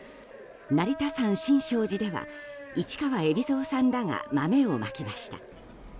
成田山新勝寺では市川海老蔵さんらが豆をまきました。